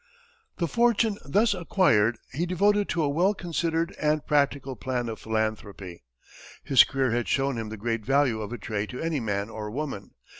The fortune thus acquired he devoted to a well considered and practical plan of philanthropy. His career had shown him the great value of a trade to any man or woman.